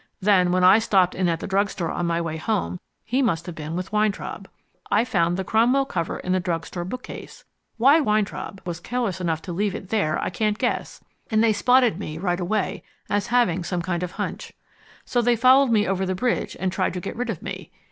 Then, when I stopped in at the drug store on my way home, he must have been with Weintraub. I found the Cromwell cover in the drug store bookcase why Weintraub was careless enough to leave it there I can't guess and they spotted me right away as having some kind of hunch. So they followed me over the Bridge and tried to get rid of me.